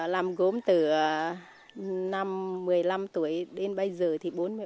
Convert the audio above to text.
làm gốm từ năm một mươi năm tuổi đến bây giờ thì bốn mươi ba tuổi